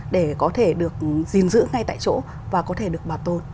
để có thể được gìn giữ ngay tại chỗ và có thể được bảo tồn